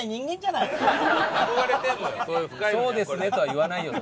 「そうですね」とは言わないよ